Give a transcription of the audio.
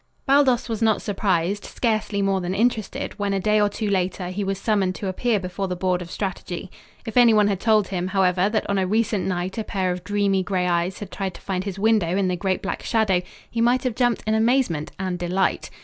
Baldos was not surprised, scarcely more than interested, when a day or two later, he was summoned to appear before the board of strategy. If anyone had told him, however, that on a recent night a pair of dreamy gray eyes had tried to find his window in the great black shadow, he might have jumped in amazement and delight.